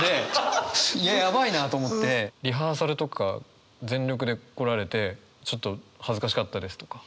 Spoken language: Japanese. いややばいなと思ってリハーサルとか全力で来られてちょっと恥ずかしかったですとか。